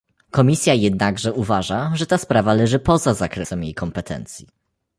Komisja jednakże uważa, że ta sprawa leży poza zakresem jej kompetencji